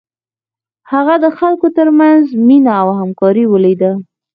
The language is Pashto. هغه د خلکو تر منځ مینه او همکاري ولیده.